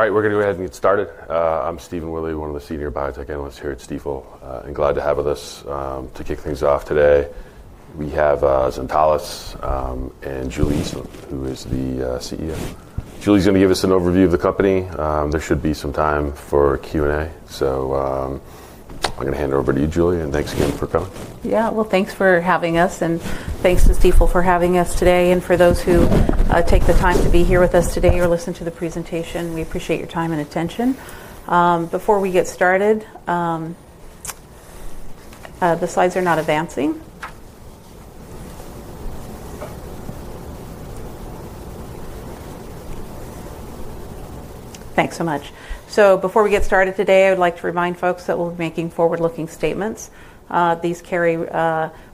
All right, we're going to go ahead and get started. I'm Stephen Willie, one of the senior biotech analysts here at Stifel, and glad to have you with us to kick things off today. We have Zentalis and Julie Eastland, who is the CEO. Julie's going to give us an overview of the company. There should be some time for Q&A, so I'm going to hand it over to you, Julie, and thanks again for coming. Yeah, thanks for having us, and thanks to Stifel for having us today. For those who take the time to be here with us today or listen to the presentation, we appreciate your time and attention. Before we get started, the slides are not advancing. Thanks so much. Before we get started today, I would like to remind folks that we'll be making forward-looking statements. These carry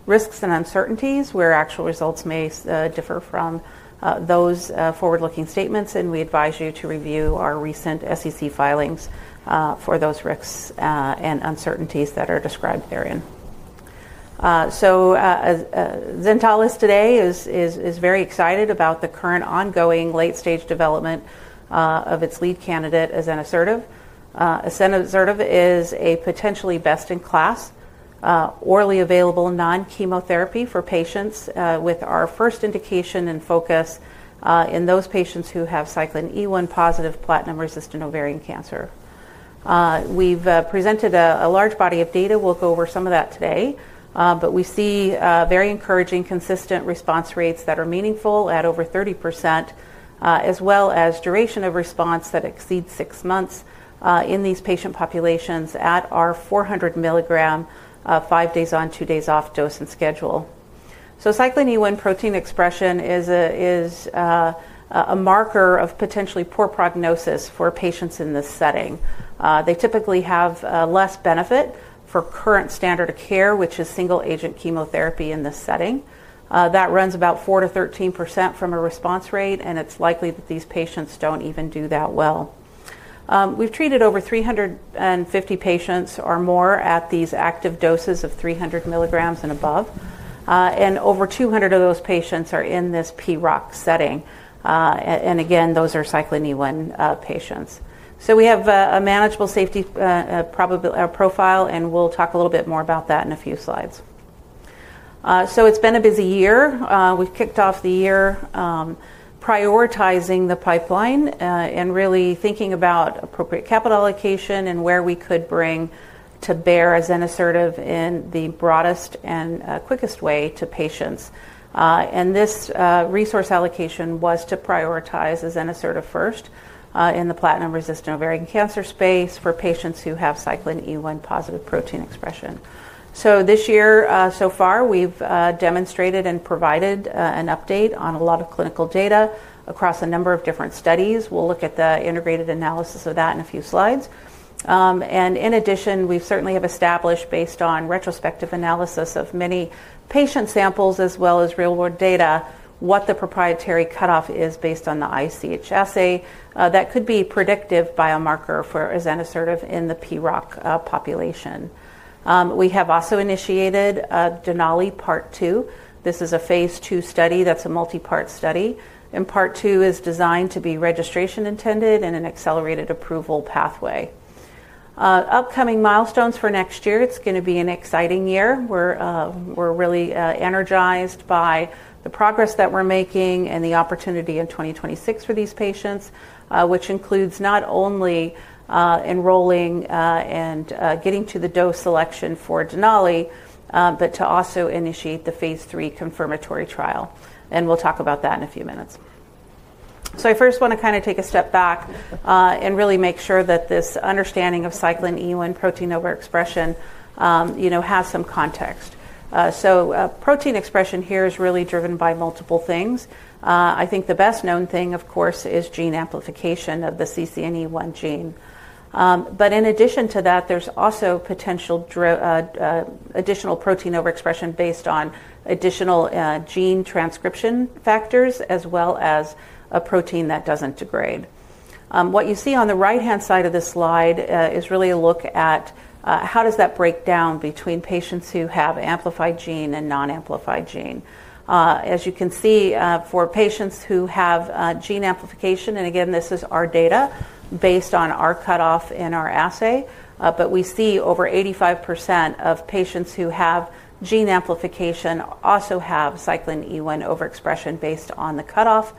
risks and uncertainties, where actual results may differ from those forward-looking statements, and we advise you to review our recent SEC filings for those risks and uncertainties that are described therein. Zentalis today is very excited about the current ongoing late-stage development of its lead candidate, azenosertib. Azenosertib is a potentially best-in-class, orally available non-chemotherapy for patients with our first indication and focus in those patients who have Cyclin E1-positive platinum-resistant ovarian cancer. We've presented a large body of data. We'll go over some of that today, but we see very encouraging, consistent response rates that are meaningful at over 30%, as well as duration of response that exceeds six months in these patient populations at our 400 mg, five days on, two days off dose and schedule. Cyclin E1 protein expression is a marker of potentially poor prognosis for patients in this setting. They typically have less benefit for current standard of care, which is single-agent chemotherapy in this setting. That runs about 4%-13% from a response rate, and it's likely that these patients don't even do that well. We've treated over 350 patients or more at these active doses of 300 mg and above, and over 200 of those patients are in this PROC setting. Again, those are Cyclin E1 patients. We have a manageable safety profile, and we'll talk a little bit more about that in a few slides. It's been a busy year. We've kicked off the year prioritizing the pipeline and really thinking about appropriate capital allocation and where we could bring to bear azenosertib in the broadest and quickest way to patients. This resource allocation was to prioritize azenosertib first in the platinum-resistant ovarian cancer space for patients who have Cyclin E1-positive protein expression. This year, so far, we've demonstrated and provided an update on a lot of clinical data across a number of different studies. We'll look at the integrated analysis of that in a few slides. In addition, we certainly have established, based on retrospective analysis of many patient samples as well as real-world data, what the proprietary cutoff is based on the IHC assay that could be a predictive biomarker for azenosertib in the PROC population. We have also initiated Denali Part Two. This is a phase two study that's a multi-part study, and Part Two is designed to be registration intended and an accelerated approval pathway. Upcoming milestones for next year, it's going to be an exciting year. We're really energized by the progress that we're making and the opportunity in 2026 for these patients, which includes not only enrolling and getting to the dose selection for Denali, but to also initiate the phase three confirmatory trial. We'll talk about that in a few minutes. I first want to kind of take a step back and really make sure that this understanding of Cyclin E1 protein overexpression has some context. Protein expression here is really driven by multiple things. I think the best-known thing, of course, is gene amplification of the CCNE1 gene. In addition to that, there is also potential additional protein overexpression based on additional gene transcription factors, as well as a protein that does not degrade. What you see on the right-hand side of this slide is really a look at how that breaks down between patients who have amplified gene and non-amplified gene. As you can see, for patients who have gene amplification, and again, this is our data based on our cutoff in our assay, we see over 85% of patients who have gene amplification also have Cyclin E1 overexpression based on the cutoff.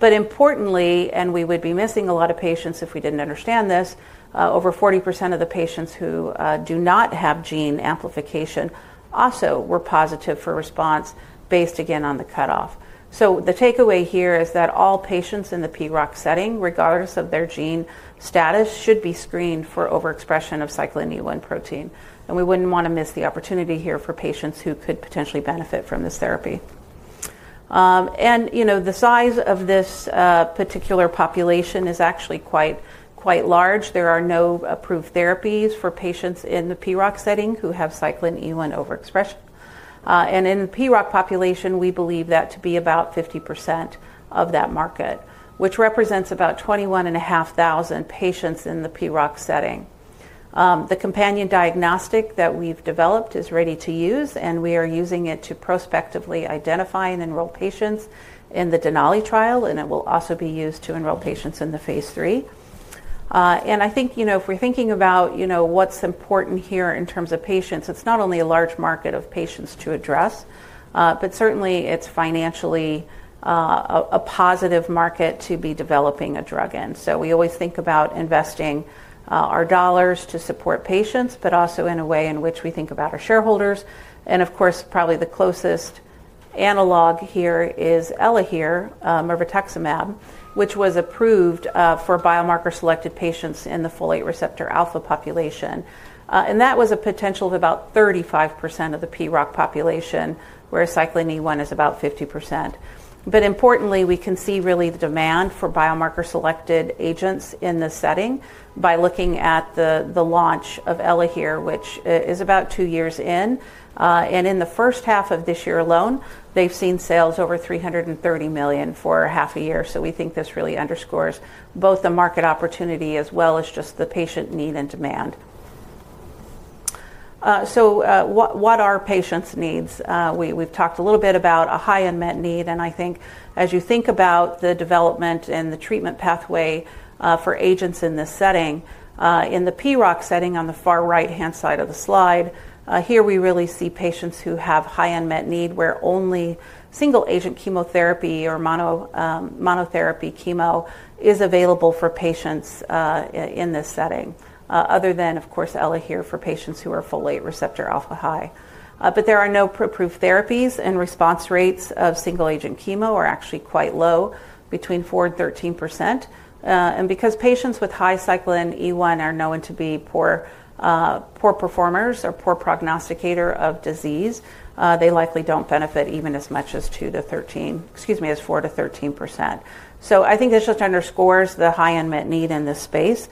Importantly, and we would be missing a lot of patients if we did not understand this, over 40% of the patients who do not have gene amplification also were positive for response based, again, on the cutoff. The takeaway here is that all patients in the PROC setting, regardless of their gene status, should be screened for overexpression of Cyclin E1 protein. We would not want to miss the opportunity here for patients who could potentially benefit from this therapy. The size of this particular population is actually quite large. There are no approved therapies for patients in the PROC setting who have Cyclin E1 overexpression. In the PROC population, we believe that to be about 50% of that market, which represents about 21,500 patients in the PROC setting. The companion diagnostic that we've developed is ready to use, and we are using it to prospectively identify and enroll patients in the DENALI trial, and it will also be used to enroll patients in the phase three. I think if we're thinking about what's important here in terms of patients, it's not only a large market of patients to address, but certainly it's financially a positive market to be developing a drug in. We always think about investing our dollars to support patients, but also in a way in which we think about our shareholders. Of course, probably the closest analog here is Elahere, mirvetuximab, which was approved for biomarker-selected patients in the folate receptor alpha population. That was a potential of about 35% of the PROC population, whereas Cyclin E1 is about 50%. Importantly, we can see really the demand for biomarker-selected agents in this setting by looking at the launch of Elahere, which is about two years in. In the first half of this year alone, they've seen sales over $330 million for half a year. We think this really underscores both the market opportunity as well as just the patient need and demand. What are patients' needs? We've talked a little bit about a high unmet need, and I think as you think about the development and the treatment pathway for agents in this setting, in the PROC setting on the far right-hand side of the slide, here we really see patients who have high unmet need, where only single-agent chemotherapy or monotherapy chemo is available for patients in this setting, other than, of course, Elahere for patients who are folate receptor alpha high. There are no approved therapies, and response rates of single-agent chemo are actually quite low, between 4% and 13%. Because patients with high Cyclin E1 are known to be poor performers or poor prognosticators of disease, they likely do not benefit even as much as 4%-13%. I think this just underscores the high unmet need in this space,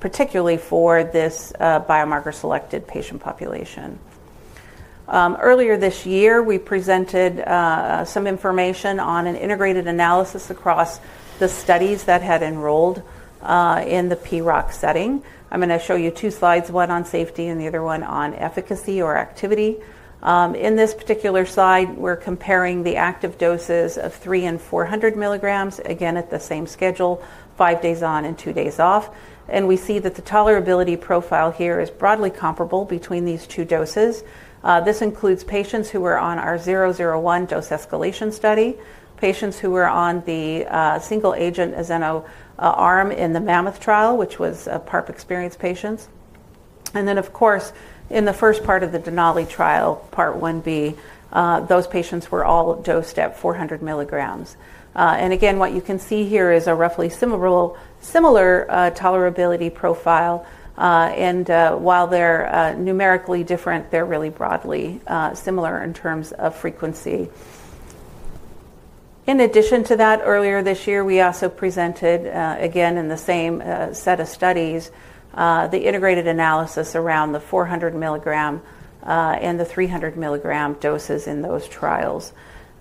particularly for this biomarker-selected patient population. Earlier this year, we presented some information on an integrated analysis across the studies that had enrolled in the PROC setting. I'm going to show you two slides, one on safety and the other one on efficacy or activity. In this particular slide, we're comparing the active doses of 300 and 400 milligrams, again, at the same schedule, five days on and two days off. We see that the tolerability profile here is broadly comparable between these two doses. This includes patients who were on our 001 dose escalation study, patients who were on the single-agent azenosertib arm in the Mammoth trial, which was PARP-experienced patients. In the first part of the DENALI trial, Part 1B, those patients were all dosed at 400 milligrams. What you can see here is a roughly similar tolerability profile. While they're numerically different, they're really broadly similar in terms of frequency. In addition to that, earlier this year, we also presented, again, in the same set of studies, the integrated analysis around the 400 milligram and the 300 milligram doses in those trials.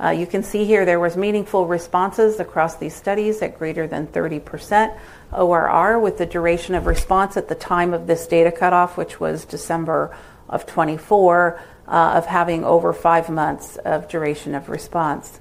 You can see here there were meaningful responses across these studies at greater than 30% ORR, with the duration of response at the time of this data cutoff, which was December of 2024, of having over five months of duration of response.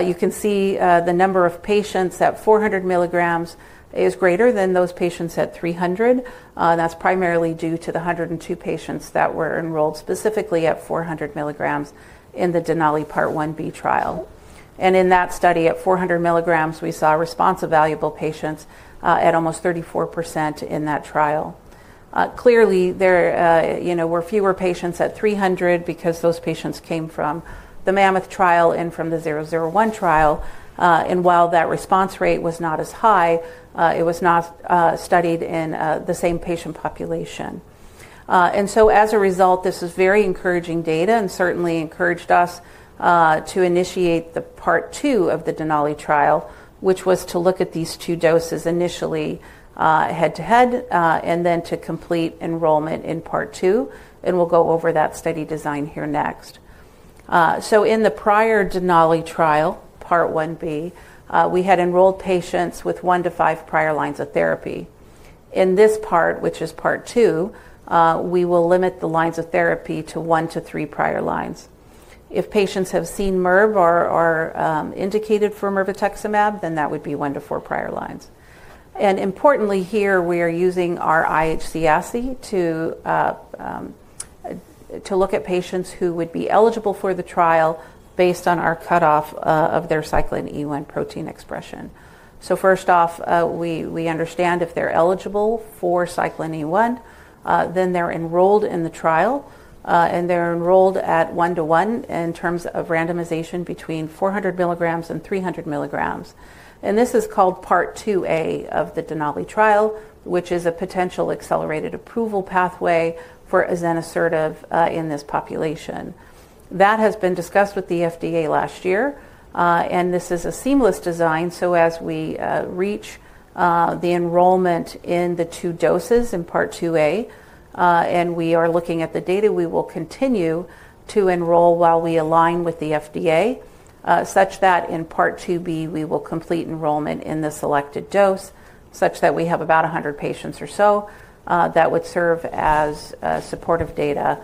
You can see the number of patients at 400 milligrams is greater than those patients at 300. That's primarily due to the 102 patients that were enrolled specifically at 400 milligrams in the Denali Part 1B trial. In that study at 400 milligrams, we saw a response of evaluable patients at almost 34% in that trial. Clearly, there were fewer patients at 300 because those patients came from the Mammoth trial and from the 001 trial. While that response rate was not as high, it was not studied in the same patient population. As a result, this is very encouraging data and certainly encouraged us to initiate the Part Two of the Denali trial, which was to look at these two doses initially head-to-head and then to complete enrollment in Part Two. We'll go over that study design here next. In the prior DENALI trial, part 1B, we had enrolled patients with one to five prior lines of therapy. In this part, which is part two, we will limit the lines of therapy to one to three prior lines. If patients have seen ELAHERE or are indicated for mirvetuximab, then that would be one to four prior lines. Importantly here, we are using our IHC assay to look at patients who would be eligible for the trial based on our cutoff of their Cyclin E1 protein expression. First off, we understand if they're eligible for Cyclin E1, then they're enrolled in the trial, and they're enrolled at one to one in terms of randomization between 400 milligrams and 300 milligrams. This is called part 2A of the DENALI trial, which is a potential accelerated approval pathway for azenosertib in this population. That has been discussed with the FDA last year, and this is a seamless design. As we reach the enrollment in the two doses in Part 2A, and we are looking at the data, we will continue to enroll while we align with the FDA such that in Part 2B, we will complete enrollment in the selected dose such that we have about 100 patients or so that would serve as supportive data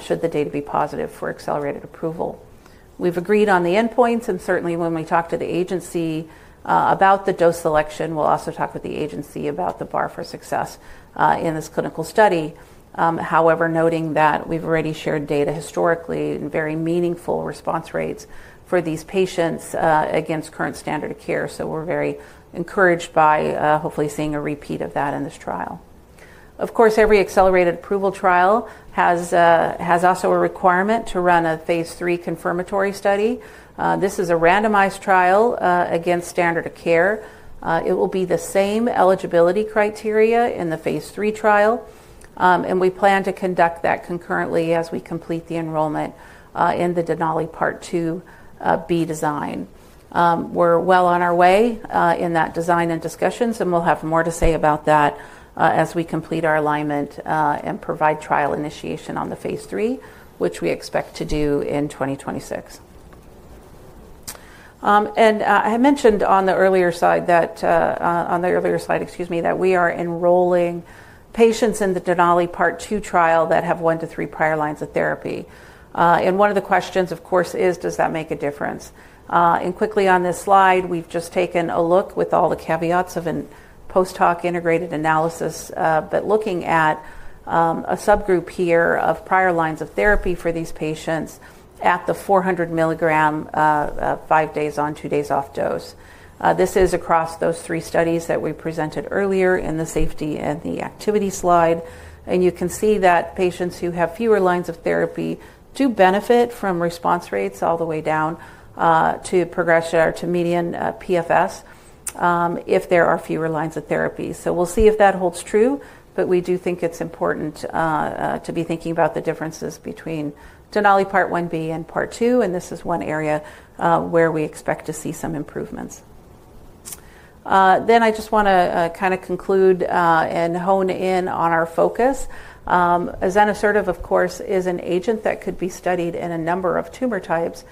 should the data be positive for accelerated approval. We've agreed on the endpoints, and certainly when we talk to the agency about the dose selection, we'll also talk with the agency about the bar for success in this clinical study. However, noting that we've already shared data historically and very meaningful response rates for these patients against current standard of care. We are very encouraged by hopefully seeing a repeat of that in this trial. Of course, every accelerated approval trial has also a requirement to run a phase three confirmatory study. This is a randomized trial against standard of care. It will be the same eligibility criteria in the phase three trial, and we plan to conduct that concurrently as we complete the enrollment in the Denali Part 2B design. We're well on our way in that design and discussions, and we'll have more to say about that as we complete our alignment and provide trial initiation on the phase three, which we expect to do in 2026. I mentioned on the earlier side, excuse me, that we are enrolling patients in the Denali Part 2 trial that have one to three prior lines of therapy. One of the questions, of course, is, does that make a difference? Quickly on this slide, we've just taken a look with all the caveats of a post-hoc integrated analysis, but looking at a subgroup here of prior lines of therapy for these patients at the 400 milligram five days on, two days off dose. This is across those three studies that we presented earlier in the safety and the activity slide. You can see that patients who have fewer lines of therapy do benefit from response rates all the way down to progression or to median PFS if there are fewer lines of therapy. We'll see if that holds true, but we do think it's important to be thinking about the differences between Denali Part 1B and Part 2, and this is one area where we expect to see some improvements. I just want to kind of conclude and hone in on our focus. Azenosertib, of course, is an agent that could be studied in a number of tumor types.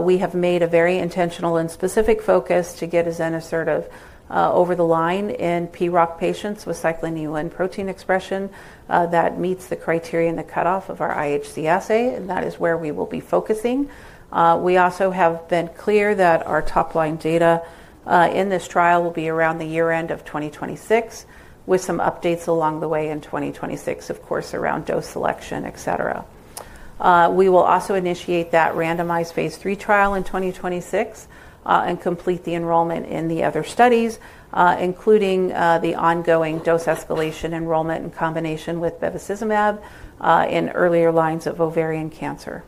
We have made a very intentional and specific focus to get azenosertib over the line in PROC patients with Cyclin E1 protein expression that meets the criteria and the cutoff of our IHC assay, and that is where we will be focusing. We also have been clear that our top-line data in this trial will be around the year-end of 2026, with some updates along the way in 2026, of course, around dose selection, etc. We will also initiate that randomized phase three trial in 2026 and complete the enrollment in the other studies, including the ongoing dose escalation enrollment in combination with bevacizumab in earlier lines of ovarian cancer.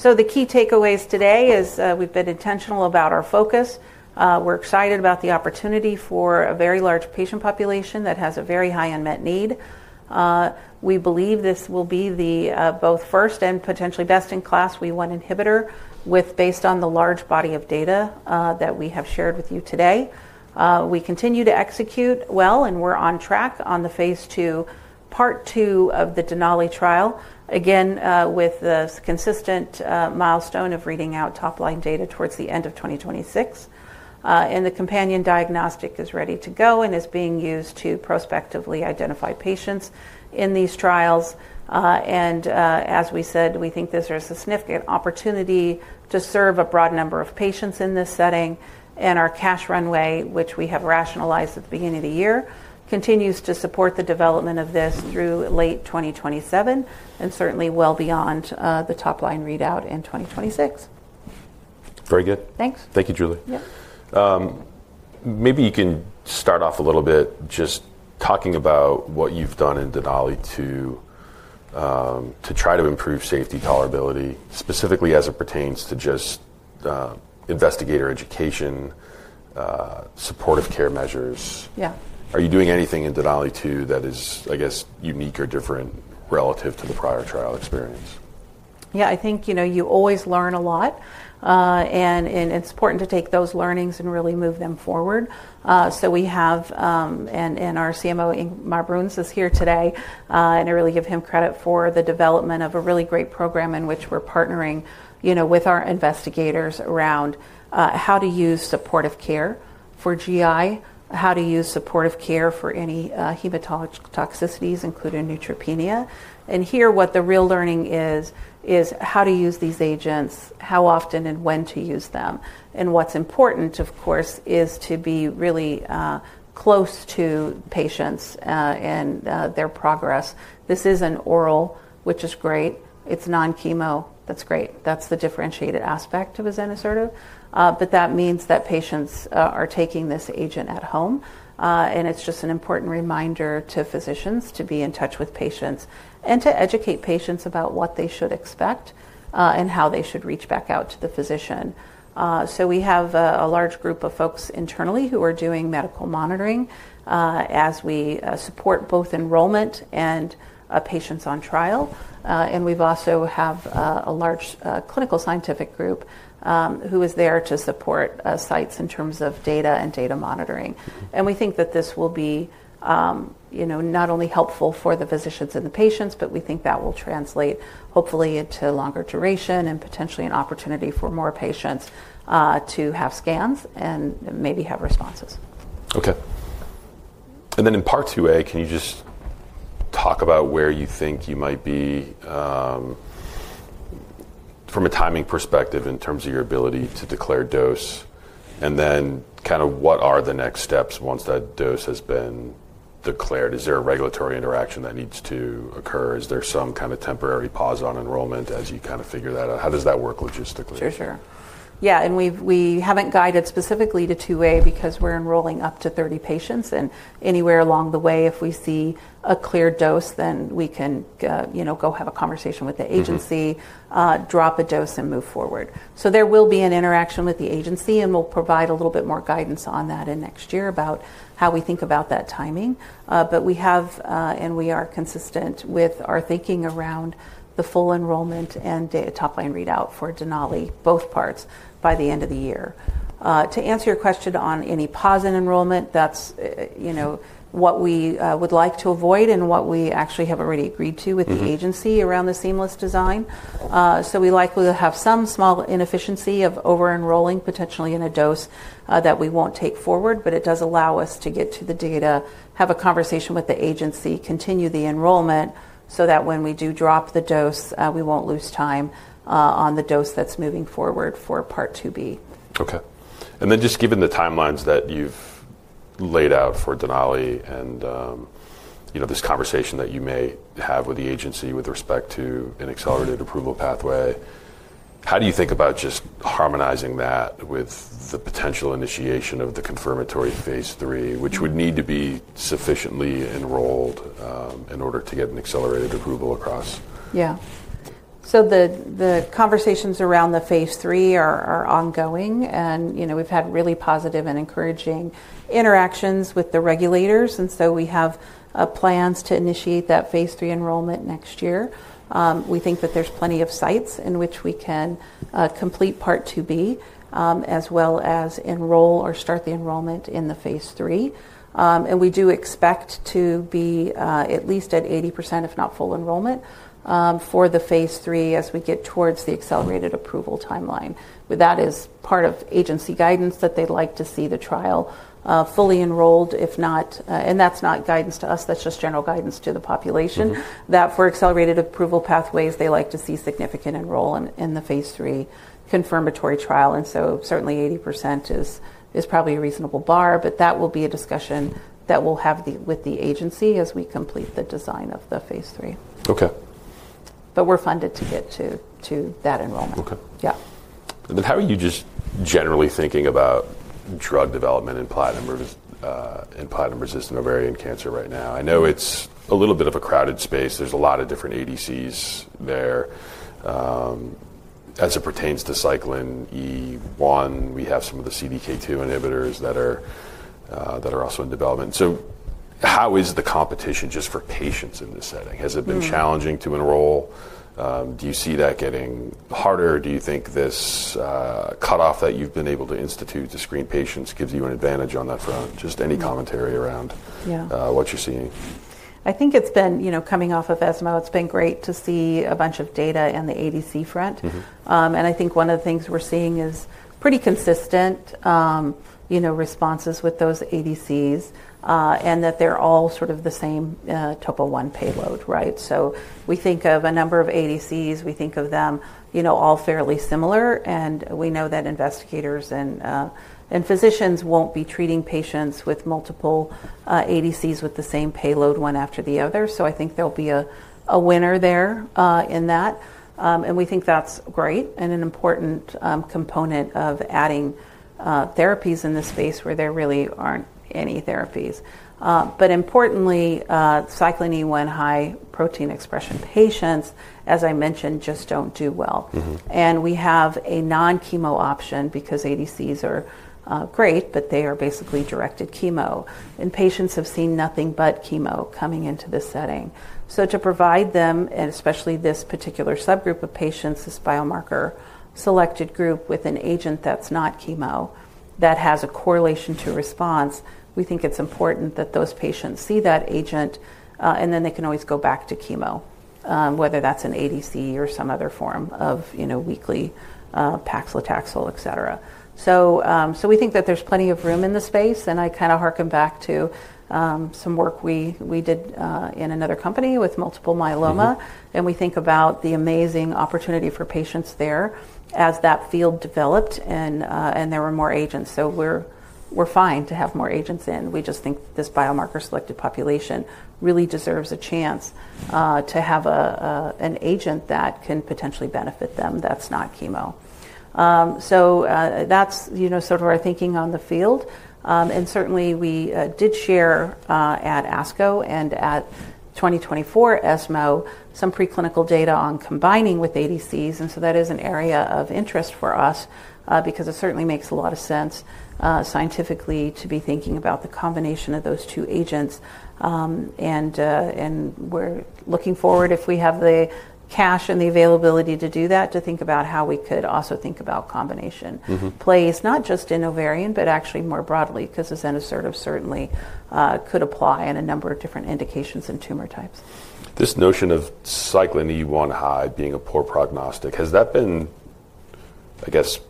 The key takeaways today is we've been intentional about our focus. We're excited about the opportunity for a very large patient population that has a very high unmet need. We believe this will be the both first and potentially best-in-class WEE1 inhibitor based on the large body of data that we have shared with you today. We continue to execute well, and we're on track on the phase two part two of the DENALI trial, again, with the consistent milestone of reading out top-line data towards the end of 2026. The companion diagnostic is ready to go and is being used to prospectively identify patients in these trials. As we said, we think this is a significant opportunity to serve a broad number of patients in this setting. Our cash runway, which we have rationalized at the beginning of the year, continues to support the development of this through late 2027 and certainly well beyond the top-line readout in 2026. Very good. Thanks. Thank you, Julie. Maybe you can start off a little bit just talking about what you've done in Denali to try to improve safety tolerability, specifically as it pertains to just investigator education, supportive care measures. Are you doing anything in Denali 2 that is, I guess, unique or different relative to the prior trial experience? Yeah, I think you always learn a lot, and it's important to take those learnings and really move them forward. We have, and our CMO, Mark Bruns, is here today, and I really give him credit for the development of a really great program in which we're partnering with our investigators around how to use supportive care for GI, how to use supportive care for any hematologic toxicities, including neutropenia. Here, what the real learning is, is how to use these agents, how often, and when to use them. What's important, of course, is to be really close to patients and their progress. This is oral, which is great. It's non-chemo. That's great. That's the differentiated aspect of azenosertib. That means that patients are taking this agent at home, and it's just an important reminder to physicians to be in touch with patients and to educate patients about what they should expect and how they should reach back out to the physician. We have a large group of folks internally who are doing medical monitoring as we support both enrollment and patients on trial. We also have a large clinical scientific group who is there to support sites in terms of data and data monitoring. We think that this will be not only helpful for the physicians and the patients, but we think that will translate, hopefully, into longer duration and potentially an opportunity for more patients to have scans and maybe have responses. Okay. In Part 2A, can you just talk about where you think you might be from a timing perspective in terms of your ability to declare dose? Kind of what are the next steps once that dose has been declared? Is there a regulatory interaction that needs to occur? Is there some kind of temporary pause on enrollment as you kind of figure that out? How does that work logistically? Sure, sure. Yeah. We haven't guided specifically to 2A because we're enrolling up to 30 patients. Anywhere along the way, if we see a clear dose, then we can go have a conversation with the agency, drop a dose, and move forward. There will be an interaction with the agency, and we'll provide a little bit more guidance on that next year about how we think about that timing. We have, and we are consistent with our thinking around the full enrollment and top-line readout for Denali, both parts, by the end of the year. To answer your question on any pause in enrollment, that's what we would like to avoid and what we actually have already agreed to with the agency around the seamless design. We likely will have some small inefficiency of over-enrolling, potentially in a dose that we won't take forward, but it does allow us to get to the data, have a conversation with the agency, continue the enrollment so that when we do drop the dose, we won't lose time on the dose that's moving forward for Part 2B. Okay. Just given the timelines that you've laid out for Denali and this conversation that you may have with the agency with respect to an accelerated approval pathway, how do you think about just harmonizing that with the potential initiation of the confirmatory phase three, which would need to be sufficiently enrolled in order to get an accelerated approval across? Yeah. The conversations around the phase three are ongoing, and we've had really positive and encouraging interactions with the regulators. We have plans to initiate that phase three enrollment next year. We think that there's plenty of sites in which we can complete Part 2B as well as enroll or start the enrollment in the phase three. We do expect to be at least at 80%, if not full enrollment for the phase three as we get towards the accelerated approval timeline. That is part of agency guidance that they'd like to see the trial fully enrolled. That is not guidance to us. That is just general guidance to the population that for accelerated approval pathways, they like to see significant enrollment in the phase three confirmatory trial. Certainly 80% is probably a reasonable bar, but that will be a discussion that we'll have with the agency as we complete the design of the phase three. Okay. We are funded to get to that enrollment. Okay. Yeah. How are you just generally thinking about drug development in platinum-resistant ovarian cancer right now? I know it is a little bit of a crowded space. There are a lot of different ADCs there. As it pertains to Cyclin E1, we have some of the CDK2 inhibitors that are also in development. How is the competition just for patients in this setting? Has it been challenging to enroll? Do you see that getting harder? Do you think this cutoff that you've been able to institute to screen patients gives you an advantage on that front? Just any commentary around what you're seeing? I think it's been coming off of FMO. It's been great to see a bunch of data in the ADC front. I think one of the things we're seeing is pretty consistent responses with those ADCs and that they're all sort of the same topo-1 payload, right? We think of a number of ADCs. We think of them all fairly similar, and we know that investigators and physicians won't be treating patients with multiple ADCs with the same payload one after the other. I think there'll be a winner there in that. We think that's great and an important component of adding therapies in this space where there really aren't any therapies. Importantly, Cyclin E1 high protein expression patients, as I mentioned, just do not do well. We have a non-chemo option because ADCs are great, but they are basically directed chemo. Patients have seen nothing but chemo coming into this setting. To provide them, and especially this particular subgroup of patients, this biomarker-selected group, with an agent that is not chemo that has a correlation to response, we think it is important that those patients see that agent, and then they can always go back to chemo, whether that is an ADC or some other form of weekly paclitaxel, etc. We think that there is plenty of room in the space. I kind of harken back to some work we did in another company with multiple myeloma, and we think about the amazing opportunity for patients there as that field developed and there were more agents. We are fine to have more agents in. We just think this biomarker-selected population really deserves a chance to have an agent that can potentially benefit them that is not chemo. That is sort of our thinking on the field. Certainly, we did share at ASCO and at 2024 ESMO some preclinical data on combining with ADCs. That is an area of interest for us because it certainly makes a lot of sense scientifically to be thinking about the combination of those two agents. We're looking forward, if we have the cash and the availability to do that, to think about how we could also think about combination plays, not just in ovarian, but actually more broadly because azenosertib certainly could apply in a number of different indications and tumor types. This notion of Cyclin E1 high being a poor prognostic, has that been, I guess,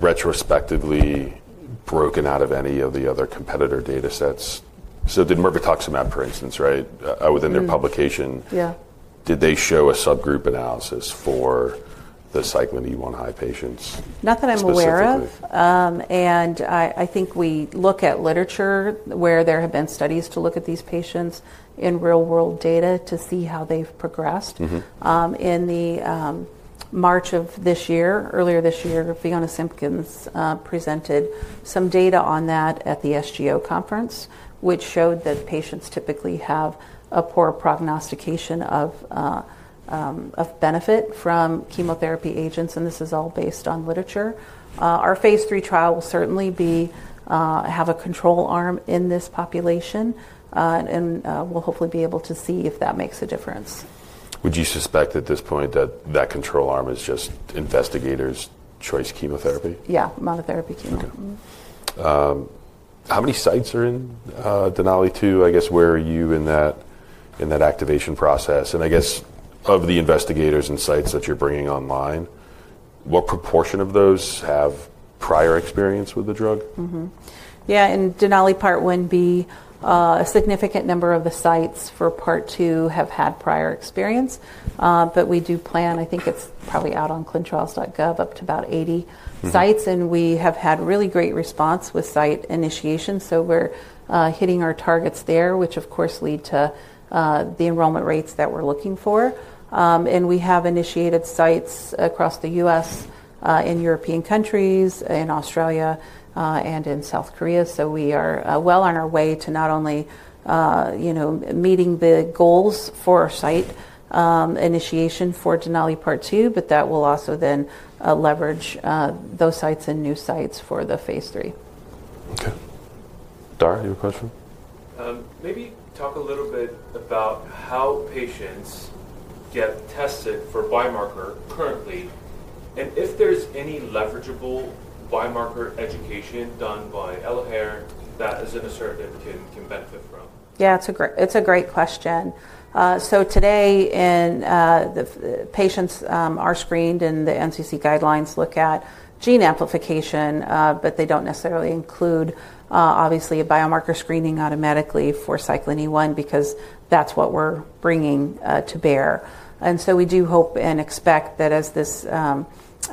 retrospectively broken out of any of the other competitor data sets? Did Elahere, for instance, right, within their publication, did they show a subgroup analysis for the Cyclin E1 high patients? Not that I'm aware of. I think we look at literature where there have been studies to look at these patients in real-world data to see how they've progressed. In March of this year, earlier this year, Fiona Simpkins presented some data on that at the SGO conference, which showed that patients typically have a poor prognostication of benefit from chemotherapy agents. This is all based on literature. Our phase three trial will certainly have a control arm in this population, and we'll hopefully be able to see if that makes a difference. Would you suspect at this point that that control arm is just investigators' choice chemotherapy? Yeah, monotherapy chemo. Okay. How many sites are in Denali 2? I guess, where are you in that activation process? I guess, of the investigators and sites that you're bringing online, what proportion of those have prior experience with the drug? Yeah. In Denali Part 1B, a significant number of the sites for Part 2 have had prior experience. We do plan, I think it's probably out on clinicaltrials.gov, up to about 80 sites. We have had really great response with site initiation. We're hitting our targets there, which, of course, lead to the enrollment rates that we're looking for. We have initiated sites across the U.S. and European countries, in Australia and in South Korea. We are well on our way to not only meeting the goals for site initiation for DENALI part 2, but that will also then leverage those sites and new sites for the phase three. Okay. Dar, you have a question? Maybe talk a little bit about how patients get tested for biomarker currently, and if there's any leverageable biomarker education done by Elahere that azenosertib can benefit from. Yeah, it's a great question. Today, patients are screened, and the NCC guidelines look at gene amplification, but they don't necessarily include, obviously, a biomarker screening automatically for Cyclin E1 because that's what we're bringing to bear. We do hope and expect that as this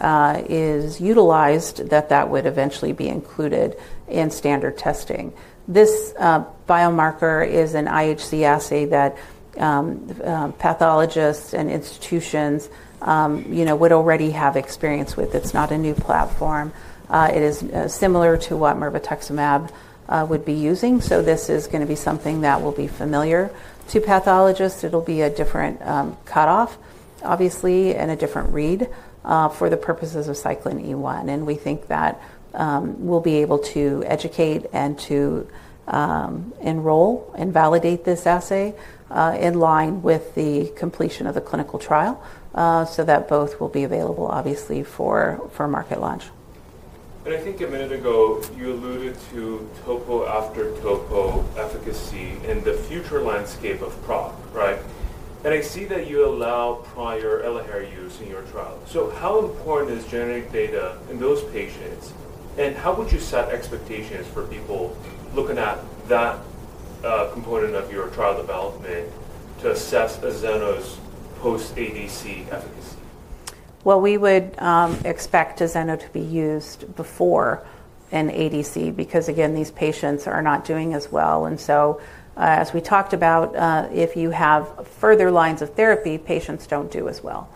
is utilized, that that would eventually be included in standard testing. This biomarker is an IHC assay that pathologists and institutions would already have experience with. It's not a new platform. It is similar to what Elahere would be using. This is going to be something that will be familiar to pathologists. It'll be a different cutoff, obviously, and a different read for the purposes of Cyclin E1. We think that we'll be able to educate and to enroll and validate this assay in line with the completion of the clinical trial so that both will be available, obviously, for market launch. I think a minute ago, you alluded to topo after topo efficacy and the future landscape of PROC, right? I see that you allow prior Elahere use in your trial. How important is generic data in those patients? How would you set expectations for people looking at that component of your trial development to assess Asena's post-ADC efficacy? We would expect Asena to be used before an ADC because, again, these patients are not doing as well. As we talked about, if you have further lines of therapy, patients do not do as well.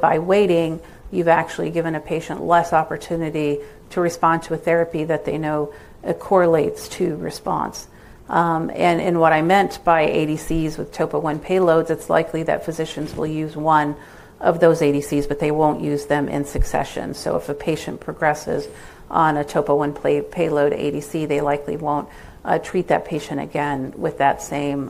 By waiting, you have actually given a patient less opportunity to respond to a therapy that they know correlates to response. In what I meant by ADCs with topo-1 payloads, it is likely that physicians will use one of those ADCs, but they will not use them in succession. If a patient progresses on a Topo-1 payload ADC, they likely will not treat that patient again with that same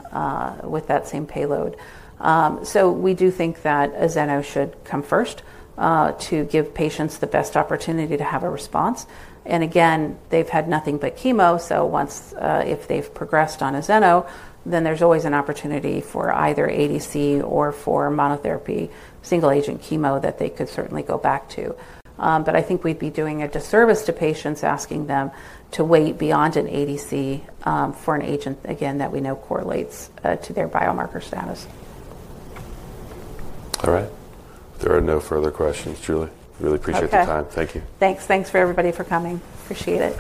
payload. We do think that Asena should come first to give patients the best opportunity to have a response. Again, they have had nothing but chemo. If they have progressed on Asena, then there is always an opportunity for either ADC or for monotherapy single-agent chemo that they could certainly go back to. I think we would be doing a disservice to patients asking them to wait beyond an ADC for an agent, again, that we know correlates to their biomarker status. All right. There are no further questions, Julie. Really appreciate your time. Thank you. Thanks. Thanks for everybody for coming. Appreciate it.